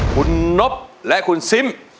คุณนบและคุณซิม